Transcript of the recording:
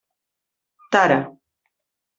Tara.